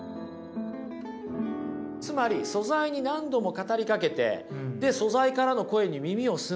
つまり素材に何度も語りかけて素材からの声に耳を澄ます。